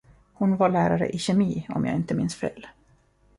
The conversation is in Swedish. Hon var lärare i kemi, om jag inte minns fel.